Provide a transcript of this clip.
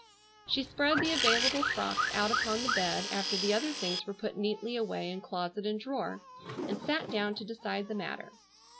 She spread the available frocks out upon the bed after the other things were put neatly away in closet and drawer, and sat down to decide the matter.